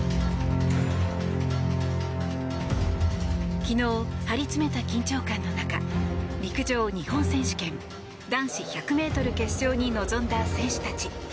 昨日、張り詰めた緊張感の中陸上日本選手権男子１００ｍ決勝に臨んだ選手たち。